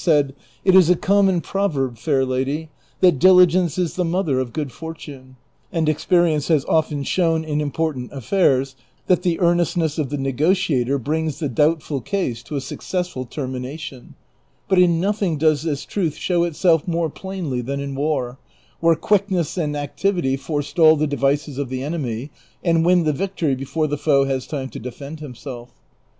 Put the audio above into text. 393 said, " It is a common proverb, fair lady, that ' diligence is the mother of good fortune,' ^ and experience has often shown in important affairs that the earnestness of the negotiator brings the doubtfnl case to a successful termination ; but in nothing does this truth show itself more plainly than in Avar, where quickness and activity forestall the devices of the enemy, and win the victory before the foe has time to defend himself.